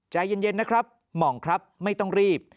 ใจเย็นนะครับหม่องครับไม่ต้องรีบ